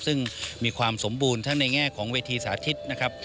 ซึ่งมีความสมบูรณ์ทั้งในแง่ของเวทีสาธิตนะครับ